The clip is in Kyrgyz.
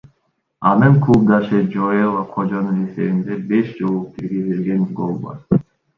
Анын клубдашы Жоэла Кожонун эсебинде беш жолу киргизилген гол бар.